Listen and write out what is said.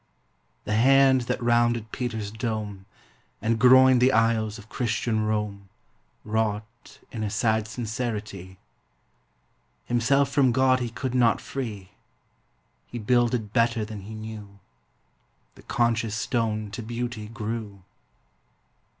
The hand that rounded Peter's dome, And groined the aisles of Christian Rome, Wrought in a sad sincerity; Himself from God he could not free ; He builded better than he knew ;— The conscious stone to beauty grew.